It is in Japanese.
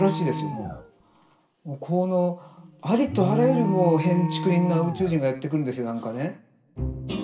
もうもうこのありとあらゆるもうへんちくりんな宇宙人がやって来んですよ何かね。